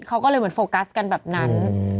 เขาก็เลยเหมือนโฟกัสกันแบบนั้น